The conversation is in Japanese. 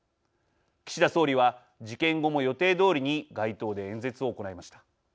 岸田総理は事件後も予定どおりに街頭で演説を行いました。